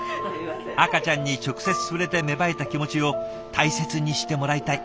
赤ちゃんに直接触れて芽生えた気持ちを大切にしてもらいたい。